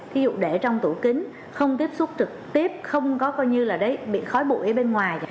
thí dụ để trong tủ kính không tiếp xúc trực tiếp không có coi như là bị khói bụi ở bên ngoài